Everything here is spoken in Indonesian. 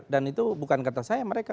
dan itu bukan kata saya mereka